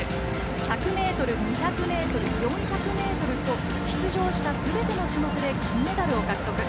１００ｍ、２００ｍ、４００ｍと出場したすべての種目で金メダルを獲得。